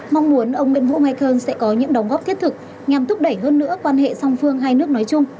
mong muốn ông nguyễn vũ michael sẽ có những đóng góp thiết thực nhằm thúc đẩy hơn nữa quan hệ song phương hai nước nói chung